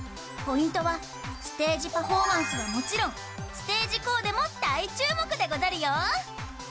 ポイントはステージパフォーマンスはもちろんステージコーデも大注目でござるよ。